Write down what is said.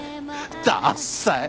だっさい。